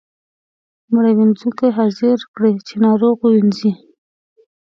مړي وينځونکی حاضر کړئ چې ناروغ ووینځي.